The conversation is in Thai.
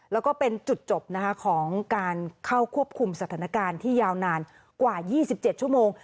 แล้วก็เป็นจุดจบของการเข้าควบคุมสถานการณ์ที่ยาวนานกว่า๒๗ชั่วโมง